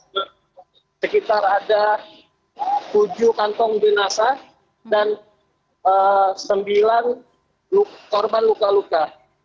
sekitar ada tujuh kantong jenazah dan sembilan korban luka luka